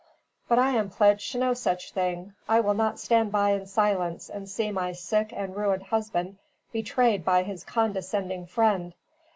But I am pledged to no such thing; I will not stand by in silence and see my sick and ruined husband betrayed by his condescending friend.